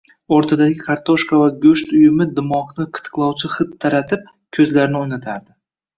oʼrtadagi kartoshka va goʼsht uyumi dimoqni qitiqlovchi hid taratib, koʼzlarini oʼynatardi.